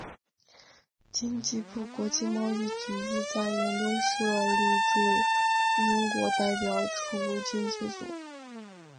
经济部国际贸易局亦在伦敦设立驻英国代表处经济组。